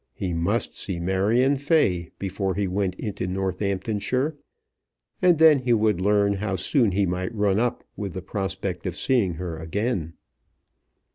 He must see Marion Fay before he went into Northamptonshire, and then he would learn how soon he might run up with the prospect of seeing her again.